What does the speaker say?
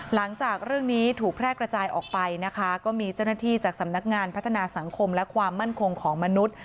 หลังจากเรื่องนี้ถูกแพร่กระจายออกไปนะคะก็มีเจ้าหน้าที่จากสำนักงานพัฒนาสังคมและความมั่นคงของมนุษย์